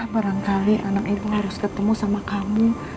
barangkali anak ibu harus ketemu sama kamu